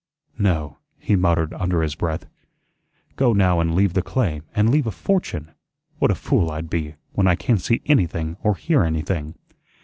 "No," he muttered under his breath. "Go now and leave the claim, and leave a fortune! What a fool I'd be, when I can't see anything or hear anything.